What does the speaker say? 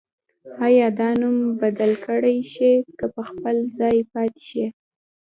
آیا دا نوم به بدل کړل شي که په خپل ځای پاتې شي؟